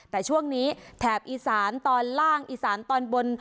แต่ช่วงนี้แถบอีสานตอนล่างอีสานตอนบน